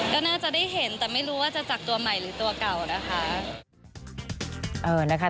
ก็น่าจะได้เห็นแต่ไม่รู้ว่าจะจักรตัวใหม่หรือตัวเก่านะคะ